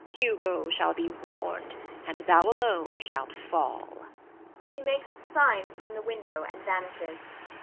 Hugo shall be warned, and thou alone shalt fall. [_She makes signs from the window and vanishes.